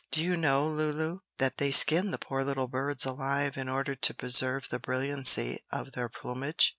"Do you know, Lulu, that they skin the poor little birds alive in order to preserve the brilliancy of their plumage?"